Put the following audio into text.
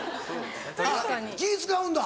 あっ気ぃ使うんだ。